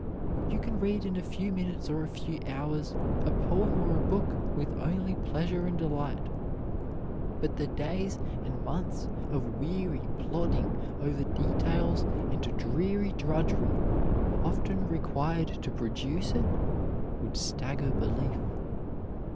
You can read in a few minutes or a few hours a poem or a book with only pleasure and delight, but the days and months of weary plodding over details and dreary drudgery often required to produce it would stagger belief.